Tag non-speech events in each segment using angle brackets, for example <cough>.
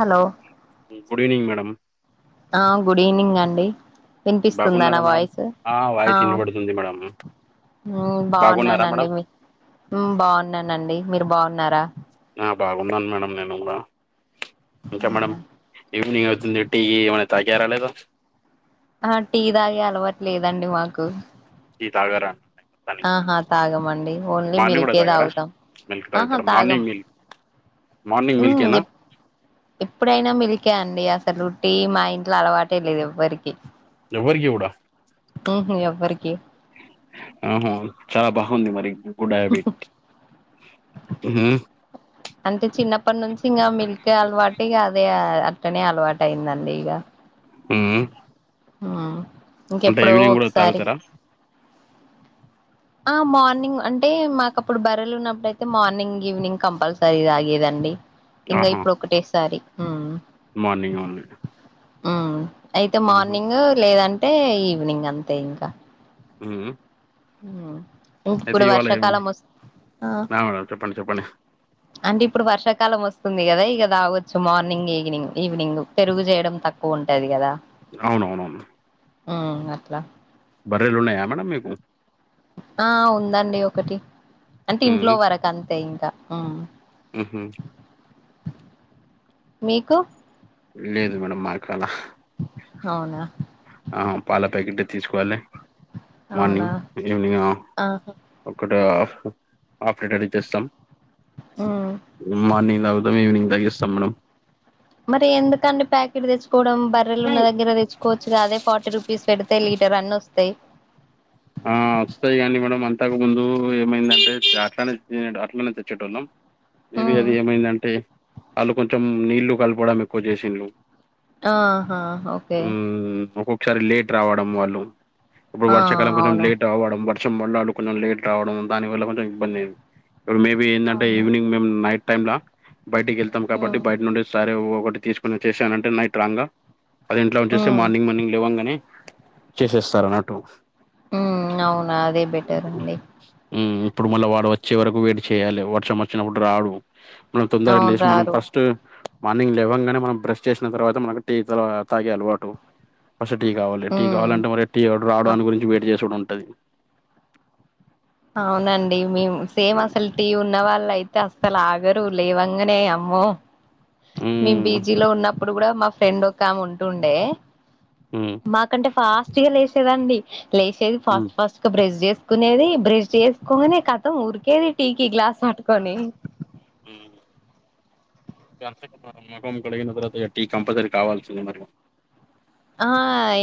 Hello good evening madam ఆ good evening అండి వినిపిస్తుంద నా బాగున్నారా మేడం వాయిస్ ఆ వాయిస్ వినబడుతుంది మేడం ఊ బాగున్నారా బాగున్నానండి మేడం మీ బాగున్నానండి మీరు బాగున్నారా బాగున్నాను మేడం నేను కూడా ఇంకా మేడం అవునా ఈవెనింగ్ అవుతుంది టీ ఏమైనా తాగార లేదా ఆ టీ తాగే అలవట్లేదండి మాకు టీ తాగర తనికి ఆహా తాగమండి ఓన్లీ మార్నింగ్ కూడా మిల్కే తాగర తాగుతాం మిల్క్ ఆహా తాగుతర తాగం మార్నింగ్ మిల్క్ మార్నింగ్ ఉమ్ మిల్కేనా ఎప్ ఎప్పుడైనా మిల్కె అండి అసలు టి మా ఇంట్లో అలవాటే లేదు ఎవ్వరికి ఎవరికీ కూడ ఉహు ఎవ్వరికి ఆహా చాలా బాగుంది మరి గుడ్ హ్యాబిట్ ఉహు అంటే చిన్నప్పటి నుంచి ఇంకా మిల్క్ అలవాటు ఇక అదే అట్టనే అలవాటు అయిందండి ఇక ఊ ఆ ఇంకెప్పుడో కూడా ఒకసారి తాగుతారా ఆ మార్నింగ్ అంటే మాకు అప్పుడు బర్రలు ఉన్నప్పుడయితే మార్నింగ్ ఈవినింగ్ కంపల్సరీ తాగేదండి ఇంగ ఆహా ఇప్పుడు ఒకటే సారి ఊ మార్నింగ్ ఓన్లీ ఉ అయితే ఉహుం, మార్నింగ్ లేదంటే ఈవినింగ్ అంతే ఇంకా ఊ ఉ ఊ ఇప్పుడు ఏం వర్షాకాలం వస్ ఆ మేడం చెప్పండి చెప్పండి అంటే ఇప్పుడు వర్షాకాలం వస్తుంది కదా ఇక తాగొచ్చు మార్నింగ్ ఈగినింగ్ ఈవినింగ్ పెరుగు చేయడం తక్కువ ఉంటది కదా అవునవునవును ఊ అట్లా బర్రెలు ఉన్నాయా మేడం మీకు ఆ ఉందండి ఒకటి అంటే ఉహుం, ఇంట్లో వరకు అంతే ఇంకా ఊ ఉహు మీకు లేదు మేడం మాకు అలా అవునా ఆ పాల ప్యాకెట్ తీసుకోవాలి అవునా మార్నింగ్ ఈవినింగ్ ఆహా ఒకట ఆఫ్ లీటర్ ఇ తెస్తాం ఆ ఉ మార్నింగ్ తాగుతం ఈవినింగ్ దాగిస్తాం మేడం మరి ఎందుకండి ప్యాకెట్ తెచ్చుకోవడం బర్రలు ఉన్న దగ్గర తెచ్చుకోవచ్చు అదే ఫార్టీ రుపీస్ పెడు తె లీటర్ అన్న వస్తాయి ఆ వస్తాయి కానీ మేడం అంతకు ముందు ఏమైందంటే అట్లానే తిన్ అట్లనే తెచ్చేటొళ్ళం మేబీ ఉమ్ అది ఏమైందంటే వాళ్ళు కొంచెం నీళ్లు కలపవడం ఎక్కువ చేసిలు ఆహా ఓకే ఊ ఒక్కొక్కసారి లేట్ రావడం వాళ్ళు ఆ అవును చాలాడం వర్షం పడినాడు కొంచెం లేట్ రావడం దాని వల్ల కొంచెం ఇబ్బంది ఐంది ఇప్పుడు మేబీ ఏందంటే అవునా ఈవినింగ్ మేము నైట్ టైంలా బయటికి వెళ్తాం కాబట్టి ఉమ్ బయట నుండి సరే ఒకటి తీసుకున వచ్చేసానంటే నైట్ రాంగ్గా పది ఇంట్లో ఉంచే ఉమ్ మార్నింగ్ మార్నింగ్ లేవంగనే చేసేస్తారు అన్నట్టు ఊ అవునా అదే బెటర్ అండి ఊ ఇప్పుడు మళ్ళా వాడు వచ్చే వరకు వెయిట్ చేయాలి వర్షం వచ్చినప్పుడు రాడు ఆ తొందరగా అవును లేసి మనం రారు ఫస్ట్ మార్నింగ్ లెవంగానే మనం బ్రష్ చేసిన తర్వాత మనకు టీ త తాగే అలవాటు ఫస్ట్ టీ కావాలి టీ ఉమ్ కావాలంటే మరి టీ వోడు అ రావడానికి గురించి వెయిట్ చేసుడు ఉంటది అవునండి మేం సేమ్ అసల్ టీ ఉన్న వాళ్ళయితే తసలాగరు లేవంగనే అమ్మో మేము మ్మ్ బీజీ లో ఉన్నప్పుడు కూడా మా ఫ్రెండ్ ఒక ఆమె ఉంటుండే ఉమ్ మాకంటే ఫాస్ట్గా లేస్తదండీ, లేచేది మ్మ్ ఫాస్ట్ ఫాస్ట్గా బ్రెష్ చేసుకునేది, బ్రె చేసుకొని ఖతం ఉరికేది టీకి గ్లాస్ పట్టుకొని. అంతకి మనం మొగం కడిగిన తర్వాత ఇగ టీ కంపల్సరీ కావాల్సిందే మరి. ఆ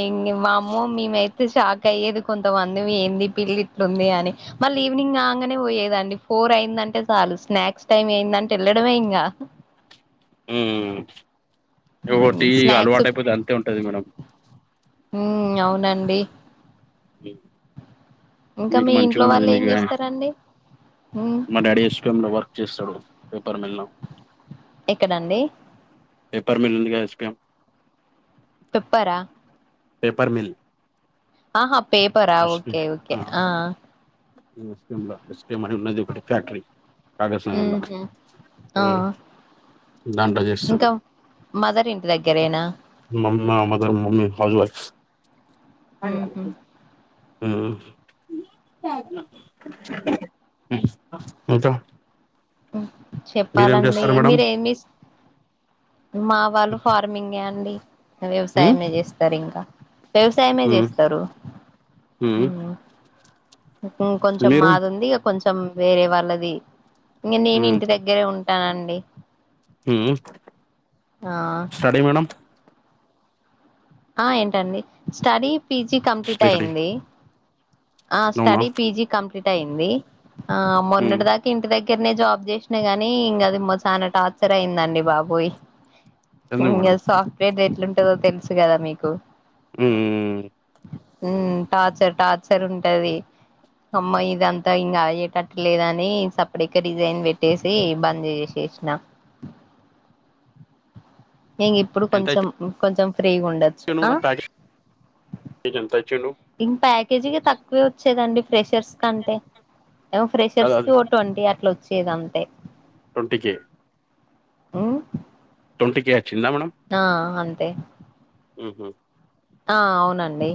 ఇంగ్ వామ్మో మేమయ్యితే షాక్ అయ్యేది కొంతమందిమి, ఏంది ఈ పిల్ల ఇట్లుంది అని మళ్ళీ ఈవినింగ్ కాంగానే పోయేదండి, ఫోర్ అయిందంటే చాలు స్నాక్స్ టైమ్ అయిందంటే ఎళ్ళడమే ఇంగా ఉమ్ మ్ టీ స్నాక్స్ అలవాటైపోతే అంతే ఉంటది మేడం. ఉమ్ అవునండి ఉమ్ ఇంకా మీ ఇంట్లో వాళ్ళు ఏం చేస్తరండి? ఉమ్ మా డాడీ ఎస్టమ్ లో వర్క్ చేస్తడు పేపర్ మెల్లో. ఎక్కడండి? పేపర్ మిల్ ఉంది ఎస్ పి ఎమ్ పెప్పర్ ఆ పేపర్ మిల్ ఆహా పేపరా ఓకే ఓకే ఆ ఎస్కే ఎస్కేం అని ఉన్నది ఒకటి ఫ్యాక్టరీ కాగజ్ నగర్ లో ఊహూ ఆ <inaudible> ఇంకా మదర్ ఇంటి దగ్గరేనా మమ్మ మదర్ మమ్మీ హౌస్ వైఫ్స్. అడగ ఉహు ఉమ్ ఉమ్ ఇంక చెప్పాలండి చేస్తారు మేడం మీరేం తిస్ మా వాళ్లు ఫార్మింగే అండి, ఉమ్ వ్యవసాయమే చేస్తరు ఇంక వ్యవసాయమే ఉమ్ చేస్తరు. ఉమ్ ఇ కొంచం మీరు మాది ఉంది, ఇగ కొంచం వేరే వాళ్ళది, నిన్నీ నే ఉమ్ ఇంటి దగ్ గరే ఉంటానండి. హ్మ్ ఆ ఆ ఏంటండి? Study P G complete study అయింది. ఆ అవునా స్టడీ పీ జీ కంప్లీట్ అయింది, ఆ ఉమ్ మొన్నటి దాక్ ఇంటి దగ్గరనే జాబ్ చేసినా గాని ఇంకా అది చాలా టార్చర్ అయిందండి బాబోయ్ ఎందుకు ఇంగ మేడం సాఫ్ట్వేర్ ఎట్లుంటదో తెలుసు కదా మీకు ఉ ఉ టార్చర్ టార్చర్ ఉంటది అమ్మా ఇదంతా ఇంగ అయ్యే టట్లేదని సప్దేక రీజైన్ పెట్టేసి బంద్ చేసేసి న ఇంగ ఇప్పుడు కొంచెం కొంచెం ఫ్రీగా ఉండ చికెన్ కూడా ప్యాకేజ్ నీకు ఎంత ఇచ్చిండు ఇం ప్యాకేజీ ఇగ తక్కువే వచ్చేదండి ఫ్రెషర్స్ కంటే ఏవో అద ఫ్రెషర్స్ కి అది ఓ ట్వంటీ అట్ల వచ్చేదంతె టొంటీ కే ఉమ్ ట్వంటీ కే అచ్చిందా మేడం ఆ అంతే ఆహా ఆ అవునండి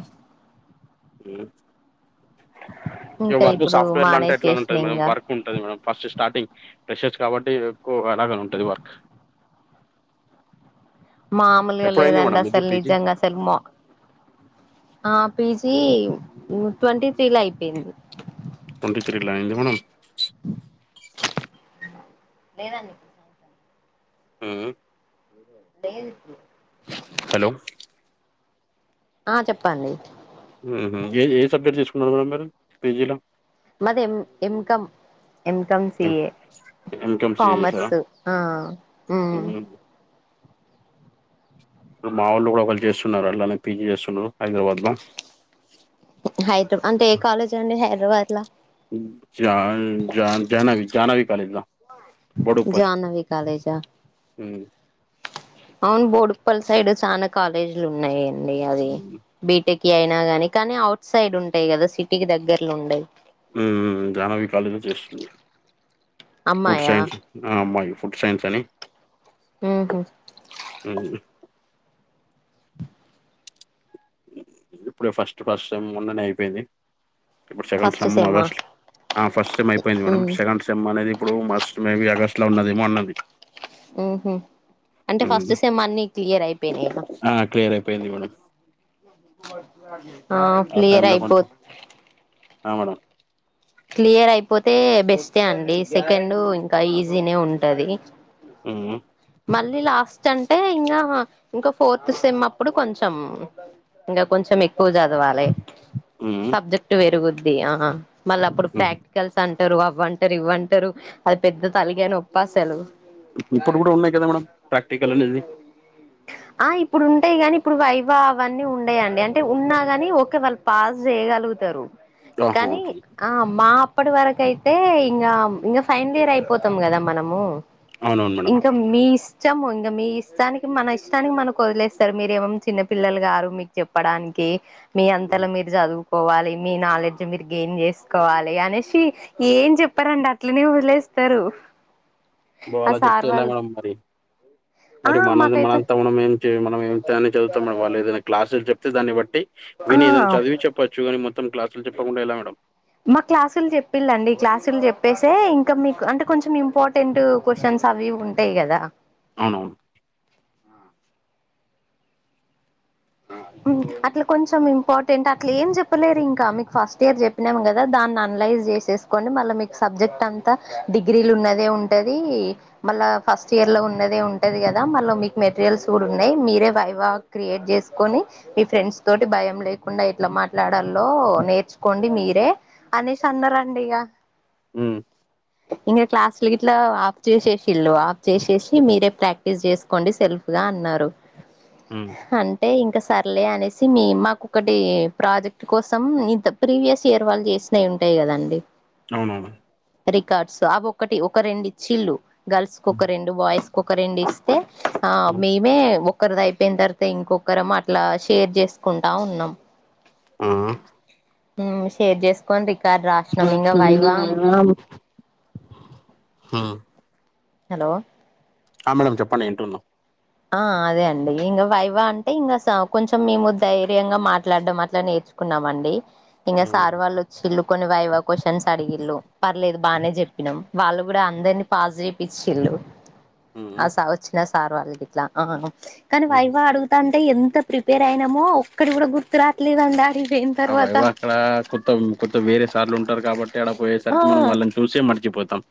ఇ ఇంకా వర్క్ ఇప్పుడు సాఫ్ట్వేర్ లాంటే ఎట్లా మానేసేసిన ఉంటుంది మేడం ఇంగ ఎక్కవ ఉంటది మేడం ఫస్ట్ స్టార్టింగ్ ప్రెషెర్స్ కాబట్టి ఎక్కువ అలాగని ఉంటది వర్క్ మామూలుగా ఎప్పుడైంది లేదండి మేడం ఇది అసలు పీజీ నిజంగా అసలు మా ఆ పీ జీ ట్వంటీ త్రీ ల అయిపోయింది. ట్వంటీ త్రీ ల అయ్యింద మేడమ్? లేదండి ఉమ్ లేదు ఇప్పుడు హలో ఆ చెప్పండి. ఉహు ఏ ఏ సబ్జెక్ట్ తీసుకున్నారు మేడం మీరు పీ జీలో? మాది M ఎంకమ్ ఎంకమ్ C A MCom C చేసారా కామర్స్ ఆ ఉమ్ ఇప్పుడు మా వాళ్ళు గుడా ఒకళ్ళు చేస్తున్నారు, అట్లనే పీ జీ చేస్తున్నారు హైదరాబాద్ ల. హైదర అంటే ఏ కాలేజ్ అండి హైదరాబాద్ ల? జ జా జహనవి జాహ్నవి కాలేజ్ల. జాహ్నవి కాలేజా? ఉమ్ అవును బోడుప్పల్ సైడ్ చాన కాలేజీలు ఉన్నయండి అది. బీటెకి అయినా గని, కనీ ఔట్ సైడ్ ఉంటయి కదా, సిటీకి దగ్గర్లో ఉండయ్. ఉమ్ ఉ జాహ్నవి కాలేజ్ లో చేస్తుంది, ఫుడ్ అమ్మాయా సైన్స్ ఆ అమ్మాయి ఫుడ్ సైన్స్ అని ఉహు అవును ఇప్పుడే ఫస్ట్ ఫస్ట్ టైమ్ మొన్ననే అయిపోయింది. ఇప్పుడు సెకండ్ ఫస్ట్ సేమ్ సెమ్మా ఆగస్టు ఆ ఫస్ట్మ్ అయిపోయింది. మేడం ఉమ్ సెకండ్ సేమ్ సేమ్ అనేది ఇప్పుడు మస్ట్ మేబి ఆగస్ట్ లో ఉన్నదేమో అన్నది. ఉహు అంటే ఫస్ట్ సేమ్ అన్ని క్లియర్ అయిపోయినాయి ఇగ అ క్లియర్ ఐపో పోయింది మేడం. ఆ ఆ క్లియర్ టైమ్లో అయిపో కొంచెం ఆ మేడమ్ క్లియర్ అయిపోతే బెస్టే అండి సెకండ్ ఇంకా ఈజీనే ఉంటది. ఉమ్ ఉం మళ్ళీ లాస్ట్ అంటే ఇంకా ఇంకా ఫోర్త్ సేమ్ అప్పుడు కొంచెం ఇంగ కొంచెం ఎక్కువ చదవాలే. ఉమ్ సబ్జెక్ట్ పెరుగుద్ది ఆ మళ్ళీ అప్పుడు ప్రాక్ ప్రాక్టికల్స్ అంటారు అవ్వంటారు ఇవ్వంటారు అది పెద్ద తలకాయ నొప్పి అసలు. ఇప్పుడు కూడా ఉన్నాయి కదా మేడం ప్రాక్టికల్ అనేది. ఆ ఇప్పుడు ఉంటాయి కాని ఇప్పుడు వైవ అవన్నీ ఉండయండి అంటే ఉన్నా గాని ఒకే వాళ్ళు పాస్ చేయగలుగుతారు ఆహా కానీ ఓకే ఆ మా అప్పటి వరకు అయితే ఇంగ ఇంగ ఫైనల్ ఇయర్ అయిపోతాం కదా మనము అవునవును మేడమ్ మీస్ ఇష్టము ఇంగ మీ ఇష్టానికి మన ఇష్టానికి మనకు వదిలేస్తారు. మీరేమ్ చిన్న పిల్లలు గారు మీకు చెప్పడానికి మీ అంతలో ఉమ్. మీరు చదువు పోవాలి మీ నాలెడ్జ్ మీరు గెయిన్ చేసుకోవాలి అనేసి ఏం చెప్పారండి అట్లనే వదిలేస్తారు. ఓ ఆ అలా చెప్తే సార్ ఎలా వాళ్ళు మేడం మరి ఆ మరి మన మాకైతే మనంతా మనం ఏం మనం ఏని చదువుతా మేడమ్ వాళ్ళు ఏదైనా క్లాసులు చెప్తే దాన్ని బట్టి విని ఏదన్న ఆ చదివి చెప్పచ్చు కానీ మొత్తం క్లాసులు చెప్పకుండా ఎలా మేడం. మాకు క్లాసులు చెప్పిళండి క్లాసులు చెప్పేసే ఇంకా మీకు అంటే కొంచెం ఇంపార్టెంట్ క్వశ్చన్స్ అవి ఉంటాయి కదా. అవునవును అట్లా కొంచెం ఇంపార్టెంట్ అట్లా ఏం చెప్పలేరు ఇంకా మీకు ఫస్ట్ ఇయర్ చెప్ చెప్పినము కదా దాన్ని అనలైజ్ చేసేసుకుని మళ్ళ మీకు సబ్జెక్ట్ అంతా డిగ్రీలు ఉన్నదే ఉంటది మళ్ళా ఫస్ట్ ఇయర్ లో ఉన్నదే ఉంటది కదా మళ్ళా మీకు మెటీరియల్స్ కూడా ఉన్నాయి మీరే వైవా క్రియేట్ చేస్ కొని మీ ఫ్రెండ్స్ తోటి భయం లేకుండా ఎట్లా మాట్లాడలో నేర్చుకోండి మీరే అనేసి అన్నారు అండి ఇగ ఉం ఇంగ క్లాసులు గిట్లా ఆఫ్ చేసేసి ఇల్లు ఆఫ్ చేసేసి మీరే ప్రా స్ చేసుకోండి సెల్ఫ్ గా అన్నారు ఉం హ అంటే ఇంకా సర్లే అనేసి మీ మాకు ఒక్కటి ప్రాజెక్ట్ కోసం ఇంత ప్రీవియస్ ఇయర్ వాళ్ళు చేసి ఉంటాయి కదా అండి అవునవును రికార్డ్స్ అవి ఒకటి ఒక రెండు ఇచ్చిళ్లు గర్ల్స్ ఒక రెండు బాయ్స్ కు ఒక రెండు ఇస్ తే ఆ మేమే ఒకరిది అయిపోయిన తర్వాత ఇంకొ గరం అట్లా షేర్ చేసుకుంటా ఉన్నం ఊఉ ఊ షేర్ చేసుకోని రికార్డ్ రాశ్నం ఇంగ వైవామ్ అమ్ హు హలో ఆ మేడం చెప్పండి ఇంటున్న ఆ అదే అండి ఇంగ వైవా అంటే ఇంగ సా కొంచెం మేము ధైర్యంగా మాట్లాడ్డం అట్ల నేర్చ్ కున్నామండి ఇంగ ఉమ్ సార్ వాళ్ళు చిల్లు కొని వైవా క్వశ్చన్స్ అడిగిల్ళు పర్లేదు బానే జెప్పినం వాళ్ళు గూడా అందర్ని పాస్ జేపిచ్చిల్లు ఉమ్ ఆ సా వచ్చిన సార్ వాళ్ గిట్లా ఆ కానీ ఉమ్ వైవా అడుగు త అంటే ఎంత ప్రిపేర్ అయినమో ఒక్కడి గుడా గుర్తు రాట్లేదు అందాడి ఏం ఆ వైవా అక్కడా కొత్తం కొత్త వేరే సార్లు ఉంటారు కాబట్టి ఆడ ఆ పోయేసరికి మనం వాళ్ళన్ చూసే మర్చిపోతాం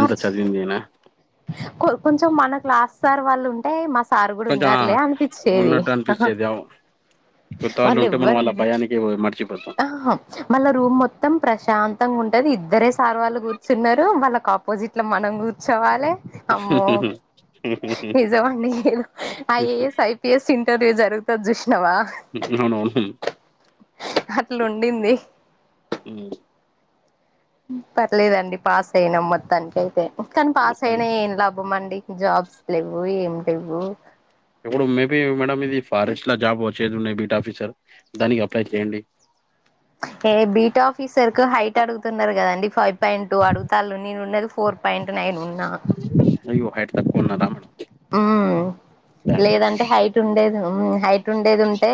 ఎంత చదివిందీనా కొ కొంచెం మన క్లాస్ సార్ వాళ్లు ఉంటే మస్ సారు గూడ కొంచెం ఆ ఉన్నారులే అనిపిచ్చేది ఉన్నట్టు అహ అనిపించేది అవు కొత్త వాళ్ళు ఉంటే మనం వాళ్ళ భయానికీ మర్చిపోతాం మళ్ళ రూమ్ మొత్తం ప్రశాంతంగ ఉంటది ఇద్దరే సార్ వాళ్ళు గూర్చున్నారు వాళ్ళకా పోజిట్ ల మనం గూర్చోవాలే అమ్మో నిజమండీ I A S I P S interview జరుగుతది జూశ్నవా అవునువును ఊ అట్లుండింది. పర్లేదండి పాస్ అయిన మొత్తాన్కైతే కానీ పాస్ అయిన మొత్తానికి ఏం లాభం అండి జాబ్స్ లెవ్వు ఏం లెవ్వూ ఇప్పుడు మేబీ మేడం ఇది ఫారెస్ట్ ల జాబ్ వచ్చేది ఉన్నాయి బీట్ ఆఫీసర్ దానికి అప్లై చేయండి ఏ బీట్ ఆఫీసర్ కు హైట్ అడుగుతున్నరు గదండి ఫై పాయింట్ టూ అడుగుతాల్లు నేను ఉండేది ఫోర్ పాయింట్ నైన్ ఉన్నా అయ్యో హైట్ తక్కువ ఉన్నారా ఊమ్ లేదంటే హైట్ ఉండేదూ హైట్ ఉండేది ఉంటే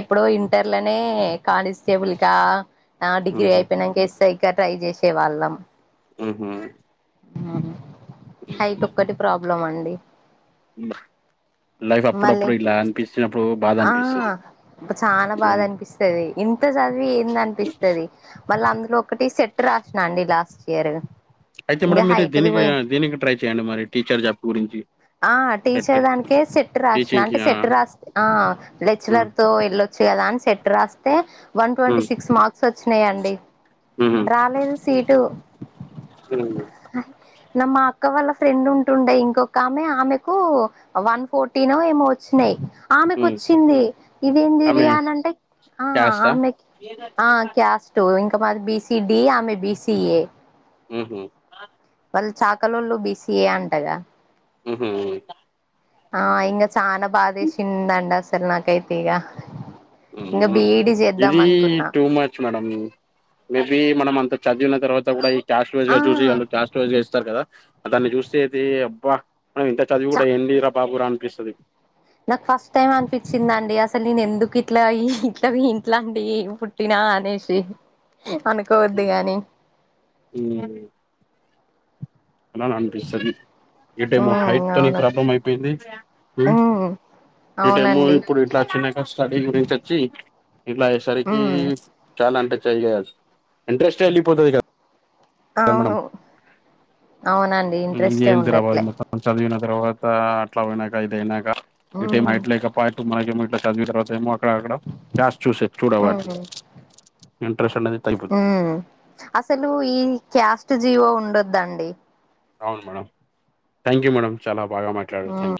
ఎప్పుడో ఇంటర్లనే కానిస్టేబుల్ గా ఆ డిగ్రీ ఊహు అయిపోయినంక ఎస్ ఐ కే ట్రై జేసేవాళ్ళం ఊహు ఉహు హైట్ ఒక్కటి ప్రాబ్లం అండి ఉంబ లైఫ్ మళ్ళీ అప్పుడప్పుడు ఇట్లా అనిపిచినప్పుడు బాధ ఆ అనిపిస్తది జం తది ఇంత జదివి ఏంది అనిపిస్తది మళ్ళ అందులో ఒకటి సెట్ రాసిన అండి లాస్ట్ ఇయర్ అయితే ఇంకా మేడమ్ మీరు హైట్ది దీనికి పోయింది దీనికి ట్రై చేయండి మరి టీచర్ జాబ్ గురించి ఆ సెట్ టీచర్ దానికే సెట్టు రాసిన టీచింగ్ కి అంటే ఆ సెట్టు రాస్ ఆ ఉమ్ లెచ్చలర్తో ఎల్లొ చ్చు గదా అన్ సెట్ రాస్తే వన్ ట్వంటీ ఉమ్ సిక్స్ మార్క్స్ ఒచ్చినయండి ఉహు రాలేదు సీటు హు నా మాక్ అక్క వాళ్ళ ఫ్రెండ్ ఉంటుండె ఇంకొక ఆమె ఆమెకు వన్ ఫోర్టీనో ఏమో వచ్చినాయి ఆమెకి ఉమ్ ఒచ్చింది ఇదెంది ఇది ఆమె అనంటే ఆ ఆమె ఏరా అటు తో ఇంక మాది బిసి డి ఆమె బీసిఏ మ్మ్ఉహ్మ్ వాళ్ళు చాకలొళ్ళు బీసీఏ అంటగా మ్మ్ఉహ్మ్ ఆ ఇంగ చానా బాదేసిందండి అసలు నాకైతే ఇగ ఉమ్మ్ ఉమ్ ఇది టూ మ చ్ మేడం మేబి మనం అంత చదివిన తర్వాత గూడ క్యాస్ట్ ఆ వైజ్‌గా చూసి వాళ్లు క్యాస్ట్ వైజ్‌గా ఇస్తారు కదా దాన్ని చూస్తే ఇది అబ్బా మనం ఇంత చదివి చ కూడా ఏదిరా బాబురా అనిపిస్తది నాకు ఫస్ట్ టైం అనిపిచిందండి అసలు నేను ఎందుకు ఇట్లా ఈ ఇట్లవి ఇంట్లటి టీన అనేసి అనుకోవద్దు గాని ఉమ్మ్ అలాననిపిస్తది ఇటేమో ఉమ్ హైట్‌తోని అవును ప్రాబ్లం అయిపోయింది ఉమ్ ఇటేమో అవునండి ఇప్పుడు ఇట్లా చిన్న స్టడీ గురించి అచ్చి ఇట్లా అయేసరికి ఉమ్ చాలా అంటే చేయ ఇంట్రెస్టే ఎల్లిపోతది ఇగ అవును అవునండి ఇంట్రెస్టే ఏందిరా బాబు ఉండట్లే మొత్తం చదివిన తర్వాత అట్లా పోయినాక ఇది అయినాక ఇటేమో ఉమ్ హైట్ లేకపోయే మనకేమో ఇట్లా చదివిన తర్వాత ఏమో అక్కడ అక్కడ క్యాస్ట్ చూసే ఉమ్ చూడవాలి ఇంట్రెస్ట్ అనేది తగ్గిపోతుంది ఉమ్మ్ అసలు ఈ క్యాస్ట్ జీవో ఉండొద్దండి అవును మేడం థ్యాంక్ యూ మేడం చాలా బాగా మాట్లడారు ఉమ్ థ్యాంక్ యూ